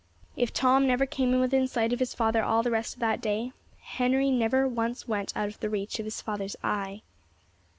If Tom never came within sight of his father all the rest of that day, Henry never once went out of the reach of his father's eye.